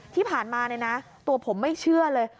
ที่ผ่านมาเนี่ยนะตัวผมไม่เชื่อเลย